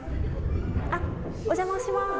お邪魔します。